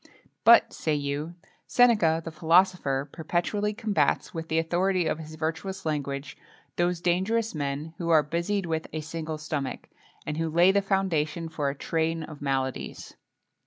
[XXII 2] "But," say you, "Seneca, the philosopher, perpetually combats, with the authority of his virtuous language, those dangerous men who are busied with a single stomach,[XXII 3] and who lay the foundation for a train of maladies."